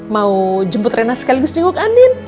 mau jemput rena sekaligus jenguk andin